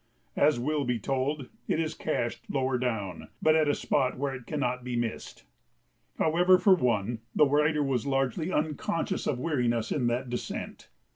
As will be told, it is cached lower down, but at a spot where it cannot be missed. However, for one, the writer was largely unconscious of weariness in that descent.